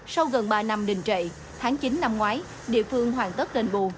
sau gần ba năm đình trệ tháng chín năm ngoái địa phương hoàn tất đền bù